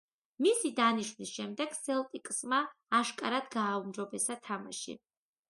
მისი დანიშვნის შემდეგ სელტიკსმა აშკარად გააუმჯობესა თამაში.